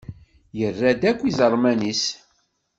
Yerra-d akk iẓerman-is.